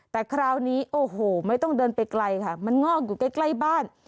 แต่คราวนี้โอ้โหไม่ต้องเดินไปไกลค่ะมันงอกอยู่ใกล้บ้าน